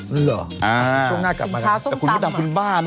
นั่นเหรอสินค้าส้มตำเหรอสินค้าส้มตำเหรอแต่คุณดับคุณบ้านะ